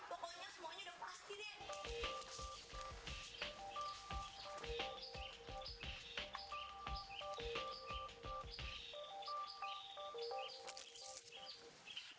pokoknya semuanya udah pasti deh